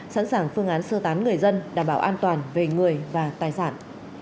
sẵn sàng phương án sơ tán người dân đảm bảo an toàn về người và tài sản